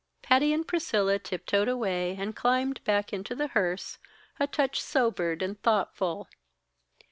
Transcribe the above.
Patty and Priscilla tiptoed away and climbed back into the hearse, a touch sobered and thoughtful.